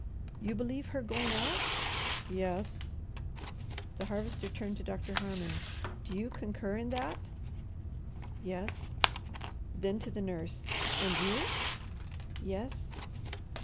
"You believe her going out?" "Yes." The Harvester turned to Doctor Harmon. "Do you concur in that?" "Yes." Then to the nurse, "And you?" "Yes."